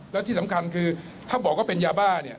แล้วที่สำคัญคือถ้าบอกว่าเป็นยาบ้าเนี่ย